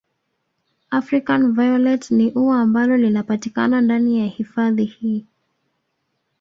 African violet ni ua ambalo linapatikana ndani ya hifadhi hii